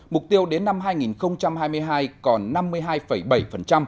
mục tiêu đến năm hai nghìn hai mươi hai còn năm mươi hai bảy